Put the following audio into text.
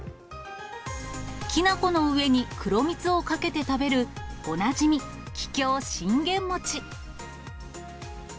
きな粉の上に黒蜜をかけて食べるおなじみ、桔梗信玄餅。